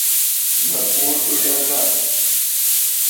Mǝ̀ fùu àtû yâ natt.